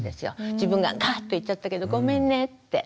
自分がガッて言っちゃったけどごめんねって。